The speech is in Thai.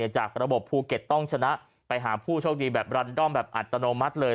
จากระบบภูเก็ตต้องชนะไปหาผู้โชคดีแบบรันด้อมแบบอัตโนมัติเลย